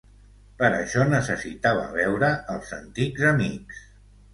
Per això necessitava veure els antics amics.